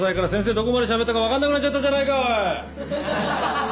どこまでしゃべったか分かんなくなっちゃったじゃないか！